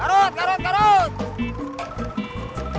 garut garut garut